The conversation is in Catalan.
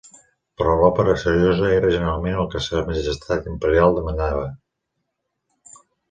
Però l'òpera seriosa era generalment el que sa majestat imperial demandava.